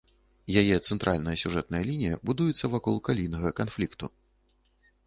Яе цэнтральная сюжэтная лінія будуецца вакол калійнага канфлікту.